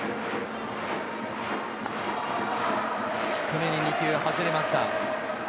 低めに２球が外れました。